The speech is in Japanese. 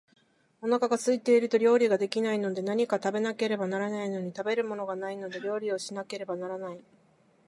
お腹が空いていると料理が出来ないので、何か食べなければならないのに、食べるものがないので料理をしなければならない